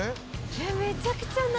「めちゃくちゃ謎」